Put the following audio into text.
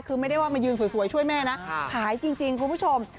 คือไม่ได้ว่ามายืนสวยช่วยแม่นะขายจริงคุณผู้ชม